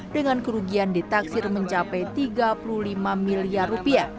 dengan kerugian ditaksir mencapai rp tiga puluh lima miliar